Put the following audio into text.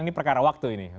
ini perkara waktu ini